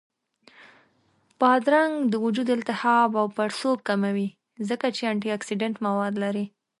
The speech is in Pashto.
بادرنګ د وجود التهاب او پړسوب کموي، ځکه چې انټياکسیدنټ مواد لري